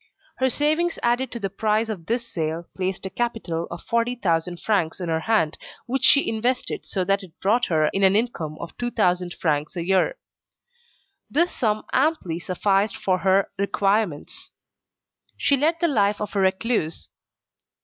Her savings added to the price of this sale placed a capital of 40,000 francs in her hand which she invested so that it brought her in an income of 2,000 francs a year. This sum amply sufficed for her requirements. She led the life of a recluse.